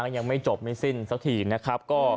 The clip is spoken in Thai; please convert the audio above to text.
ยังไม่จบไม่สิ้นสักทีนะครับ